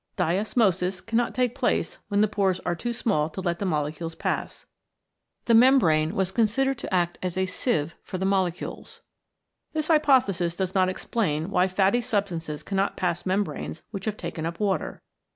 Diosmosis cannot take place when the pores are too small to let the molecules pass. The membrane was considered to act like a sieve for the molecules. This hypothesis does not explain why fatty substances cannot pass mem branes which have taken up water.